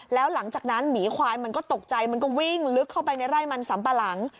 แล้วหลังจากนั้นหมีควายมันก็ตกใจมันก็วิ่งลึกเข้าไปในไร่มันสัมปะหลัง